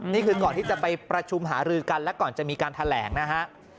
นี่คือก่อนที่จะไปประชุมหารือกันและก่อนจะมีการแถลงนะฮะ